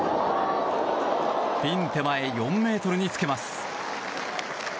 ピン手前４ｍにつけます。